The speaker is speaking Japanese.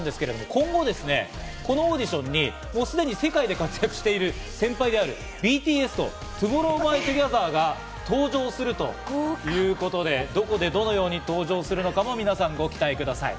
今回このオーディションにすでに世界で活躍している先輩・ＢＴＳとＴＯＭＯＲＲＯＷＸＴＯＧＥＴＨＥＲが登場するということで、どこでどのように登場するのかも皆さんご期待ください。